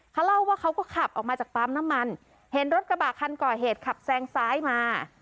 เขาเล่าว่าเขาก็ขับออกมาจากปั๊มน้ำมันเห็นรถกระบะคันก่อเหตุขับแซงซ้ายมา